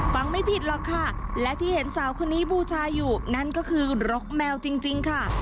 ไม่ผิดหรอกค่ะและที่เห็นสาวคนนี้บูชาอยู่นั่นก็คือรกแมวจริงค่ะ